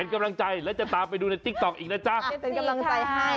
เป็นกำลังใจแล้วจะตามไปดูในอีกนะจ๊ะเป็นกำลังใจให้